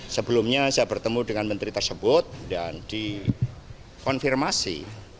sebelumnya saya bertemu dengan menteri tersebut dan dikonfirmasi